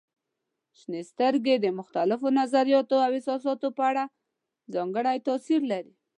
شنې سترګې د مختلفو نظریاتو او احساساتو په اړه ځانګړی تاثير لري.